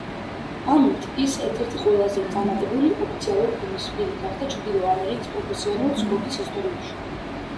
ამით ის ერთ-ერთი ყველაზე წარმატებული ოფიციალური გუნდის პირი გახდა ჩრდილო ამერიკის პროფესიონალურ სპორტის ისტორიაში.